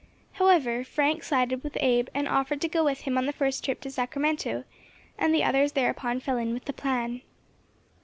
However, Frank sided with Abe, and offered to go with him on the first trip to Sacramento, and the others thereupon fell in with the plan.